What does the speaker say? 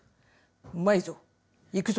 うまいぞ行くぞ！